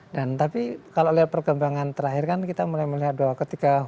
dan tapi kalau melihat perkembangan terakhir kan kita mulai melihat bahwa ketika